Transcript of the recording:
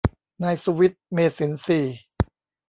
นายสุวิทย์ เมษินทรีย์